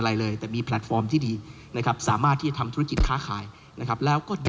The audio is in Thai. และธุรกิจใหม่เหล่านี้ส่วนใหญ่ถ้าจะประสบความสำเร็จ